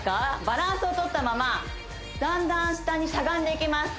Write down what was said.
バランスをとったままだんだん下にしゃがんでいきます